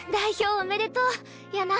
おめでとうヤナ。